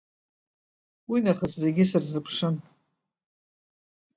Уинахыс зегьы сырзыԥшын.